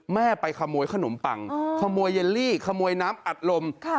แม่ไปขโมยขนมปังขโมยเยลลี่ขโมยน้ำอัดลม